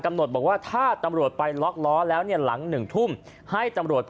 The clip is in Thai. หดบอกว่าถ้าตำรวจไปล็อกล้อแล้วเนี่ยหลัง๑ทุ่มให้ตำรวจ